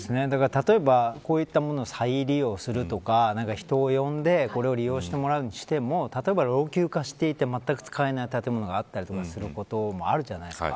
例えばこういったものを再利用するとか人を呼んで、これを利用してもらうにしても例えば老朽化していてまったく使えない建物があったりすることあるじゃないですか。